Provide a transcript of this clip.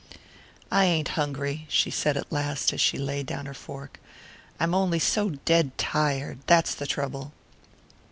"I ain't hungry," she said at last as she laid down her fork. "I'm only so dead tired that's the trouble."